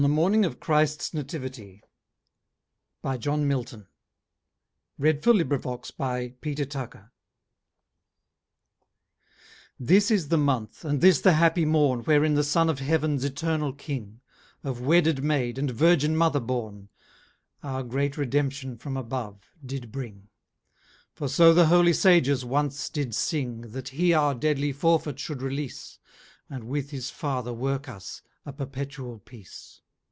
MOSELEY. MISCELLANEOUS POEMS. ON THE MORNING OF CHRISTS NATIVITY. Compos'd 1629. I This is the Month, and this the happy morn Wherin the Son of Heav'ns eternal King, Of wedded Maid, and Virgin Mother born, Our great redemption from above did bring; For so the holy sages once did sing, That he our deadly forfeit should release, And with his Father work us a perpetual peace.